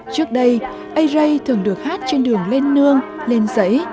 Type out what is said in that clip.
trước đây ây rây thường được hát trên đường lên nương lên giấy